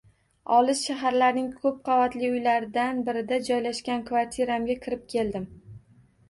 Olis shaharning ko`p qavatli uylaridan birida joylashgan kvartiramga kirib keldim